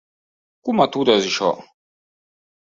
Com atures això?